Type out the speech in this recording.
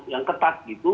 yang ketat gitu